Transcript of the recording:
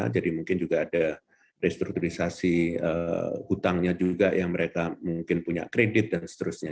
jadi mungkin juga ada restrukturisasi hutangnya juga yang mereka mungkin punya kredit dan seterusnya